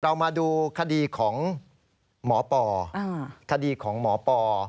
เรามาดูคดีของหมอปอ